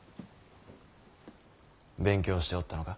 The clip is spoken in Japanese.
勉強しておったのか。